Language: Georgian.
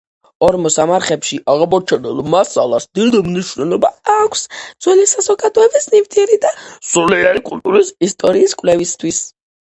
ორმოსამარხებში აღმოჩენილ მასალას დიდი მნიშვნელობა აქვს ძველი საზოგადოების ნივთიერი და სულიერი კულტურის ისტორიის კვლევისათვის.